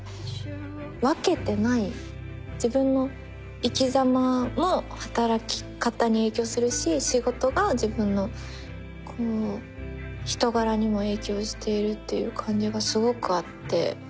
分けてない自分の生きざまも働き方に影響するし仕事が自分のこう人柄にも影響しているっていう感じがすごくあって。